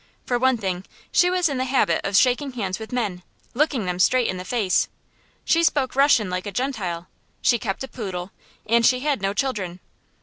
For one thing, she was in the habit of shaking hands with men, looking them straight in the face. She spoke Russian like a Gentile, she kept a poodle, and she had no children.